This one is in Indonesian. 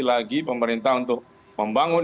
lagi pemerintah untuk membangun